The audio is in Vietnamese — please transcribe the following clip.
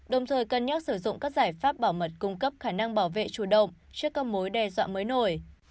đồng thời cân nhắc sử dụng các giải pháp bảo mật cung cấp khả năng bảo vệ chủ động trước các mối đe dọa mới nổi